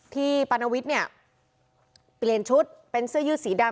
ปานวิทย์เนี่ยเปลี่ยนชุดเป็นเสื้อยืดสีดำ